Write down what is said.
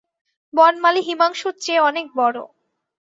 বনমালী হিমাংশুর চেয়ে অনেক বড়ো।